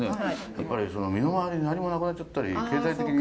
やっぱり身の回りに何もなくなっちゃったり経済的に。